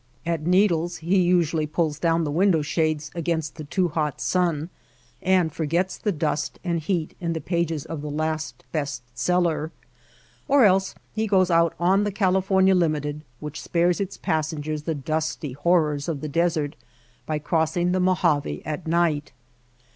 At Needles he usually pulls down the window The Feel of the Outdoors shades against the too hot sun and forgets the dust and heat in the pages of the last best seller, or else he goes out on the California Limited which spares its passengers the dusty horrors of the desert by crossing the Mojave at night.